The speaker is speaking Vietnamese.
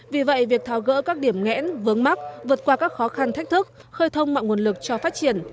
vì vậy việc tháo gỡ các điểm nghẽn vướng mắt vượt qua các khó khăn thách thức khơi thông mọi nguồn lực cho phát triển